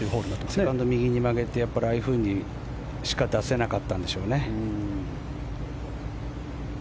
セカンド、右に曲げてああいうふうにしか出せなかったんでしょうね。